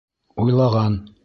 Уйлаған!